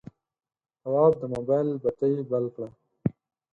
تواب د موبایل بتۍ بل کړه.